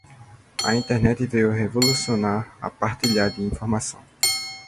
A Internet veio revolucionar a partilha de informação.